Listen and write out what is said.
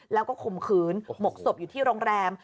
แล้วก็ข่มขืนหมกศพอยู่ที่โรงแรม